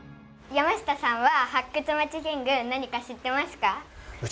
山下さんは発掘まちキング何か知ってますか？